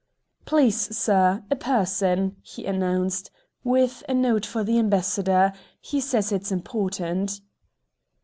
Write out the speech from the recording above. "Please, Sir, a person," he announced, "with a note for the Ambassador, he says it's important."